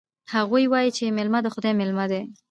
هغوی وایي چې میلمه د خدای مېلمه ده